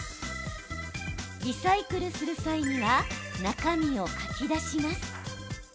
リサイクルする際は中身をかき出します。